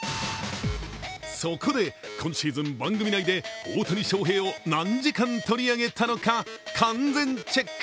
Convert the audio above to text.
そこで今シーズン、番組内で大谷翔平を何時間取り上げたのか、完全チェック。